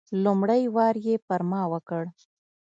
لومړی وار یې پر ما وکړ.